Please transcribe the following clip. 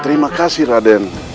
terima kasih raden